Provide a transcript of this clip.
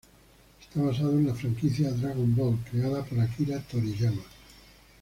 Está basado en la franquicia "Dragon Ball", creada por Akira Toriyama.